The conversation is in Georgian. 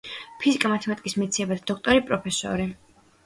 ფიზიკა-მათემატიკის მეცნიერებათა დოქტორი, პროფესორი.